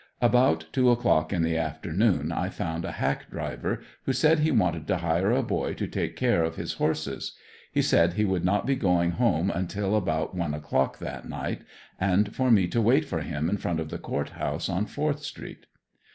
About two o'clock in the afternoon I found a hack driver who said he wanted to hire a boy to take care of his horses; he said he would not be going home until about one o'clock that night and for me to wait for him in front of the Court house on Fourth street.